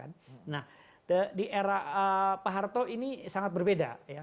nah di era pak harto ini sangat berbeda